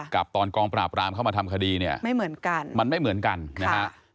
กับตอนกองประหลาบรามเข้ามาทำคดีเนี่ยมันไม่เหมือนกันนะครับ